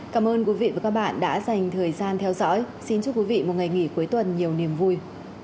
cảm ơn quý vị và các bạn đã dành thời gian theo dõi xin chúc quý vị một ngày nghỉ cuối tuần nhiều niềm vui